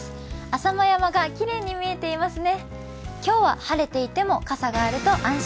浅間山がきれいに見えていますね。